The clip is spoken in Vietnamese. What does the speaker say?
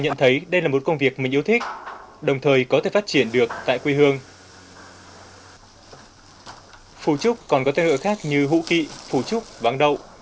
phủ trúc còn có tên gọi khác như hũ kỵ phủ trúc váng đậu